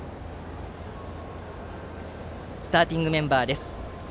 スターティングメンバーです。